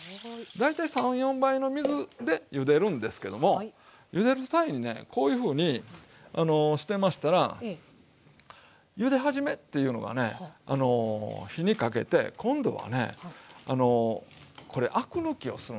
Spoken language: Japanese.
大体３４倍の水でゆでるんですけどもゆでる際にねこういうふうにしてましたらゆで始めっていうのがね火にかけて今度はねこれアク抜きをするんですよ。